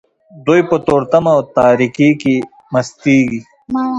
دوی په تورتم او تاریکۍ کې مستیږي.